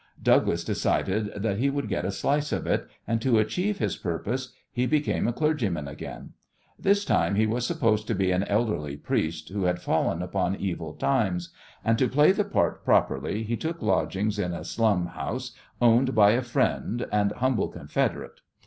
Douglas decided that he would get a slice of it, and to achieve his purpose he became a clergyman again. This time he was supposed to be an elderly priest who had fallen upon evil times, and to play the part properly he took lodgings in a slum house owned by a friend and humble confederate.